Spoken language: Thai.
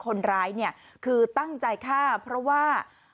คนร้ายเนี่ยคือตั้งใจฆ่าเพราะว่า